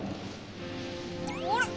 あれ？